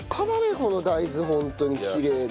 この大豆ホントにきれいで。